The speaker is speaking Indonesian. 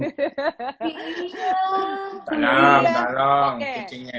tanam tanam kucingnya